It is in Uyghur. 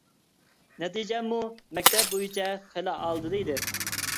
نەتىجەممۇ مەكتەپ بويىچە خىلى ئالدىدا ئىدى.